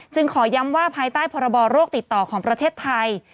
ขอย้ำว่าภายใต้พรบโรคติดต่อของประเทศไทย